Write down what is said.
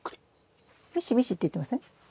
ミシミシっていってません？